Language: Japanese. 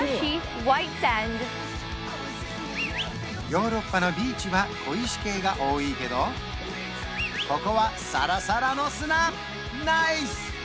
ヨーロッパのビーチは小石系が多いけどここはナイス！